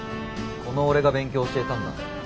この俺が勉強を教えたんだ。